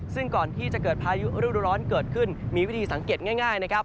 ซึ่งก่อนที่จะเกิดพายุฤดูร้อนเกิดขึ้นมีวิธีสังเกตง่ายนะครับ